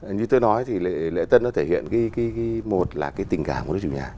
như tôi nói thì lễ tân nó thể hiện một là cái tình cảm của nước chủ nhà